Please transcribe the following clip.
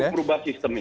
untuk merubah sistemnya